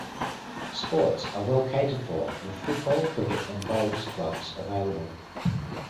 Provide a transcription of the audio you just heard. Sports are well catered for with football, cricket and bowls clubs available.